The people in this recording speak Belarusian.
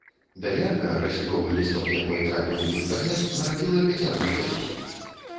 Даярка, разліковы лісток якой трапіў у інтэрнэт, нарадзіла пяцярых дзяцей.